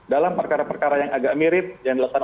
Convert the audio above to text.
dalam perkara perkara yang agak mirip yang dilakukan